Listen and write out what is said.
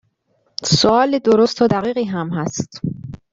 سوال درست و دقیقی هم هست.